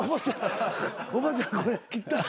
おばちゃんこれ切ったん？